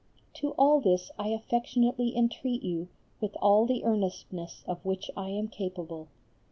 To all this I affectionately entreat you with all the earnestness of which I am capable.